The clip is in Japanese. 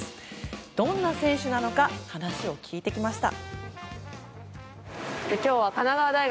どんな選手なのか話を聞いてきました。